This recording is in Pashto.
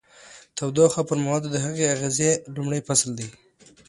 تودوخه او پر موادو د هغې اغیزې لومړی فصل دی.